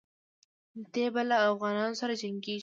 دی به له افغانانو سره جنګیږي.